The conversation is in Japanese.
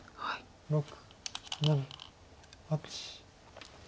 ６７８。